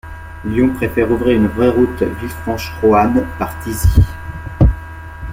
Lyon préfère ouvrir une vraie route Villefranche-Roanne par Thizy.